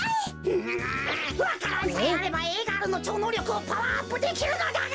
んんわか蘭さえあればＡガールのちょうのうりょくをパワーアップできるのだが！